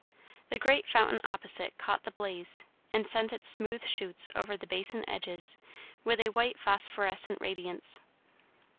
The great fountain opposite caught the blaze, and sent its smooth shoots over the basin edges with a white phosphorescent radiance.